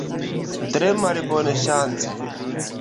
Tre malbonŝance.